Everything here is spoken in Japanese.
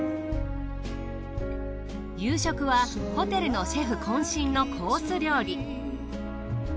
夕食はホテルのシェフ渾身のコース料理。